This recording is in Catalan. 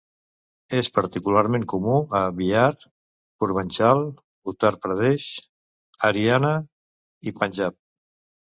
És particularment comú a Bihar, Purvanchal, Uttar Pradesh, Haryana i Panjab.